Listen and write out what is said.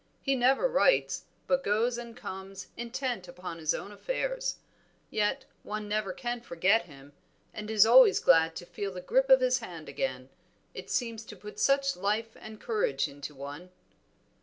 He never writes, but goes and comes intent upon his own affairs; yet one never can forget him, and is always glad to feel the grip of his hand again, it seems to put such life and courage into one."